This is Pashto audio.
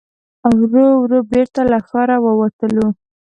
ورو ورو بېرته له ښاره ووتلو.